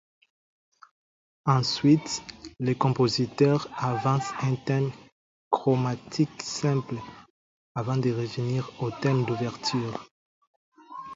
Ensuite, le compositeur avance un thème chromatique simple avant de revenir au thème d'ouverture.